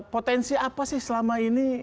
potensi apa sih selama ini